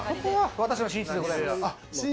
私の寝室でございます。